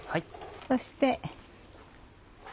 そして。